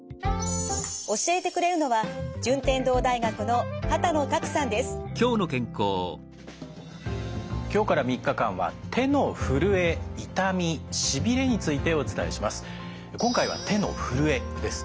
教えてくれるのは今日から３日間は手のふるえ痛みしびれについてお伝えします。